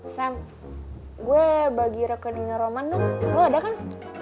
sam gue bagi rekeningnya roman dong lo ada kan